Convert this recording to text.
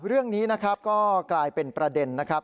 เรื่องนี้นะครับก็กลายเป็นประเด็นนะครับ